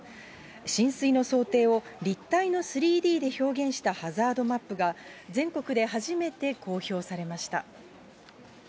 浸水の想定を立体の３Ｄで表現したハザードマップが、全国で初めて公表されました。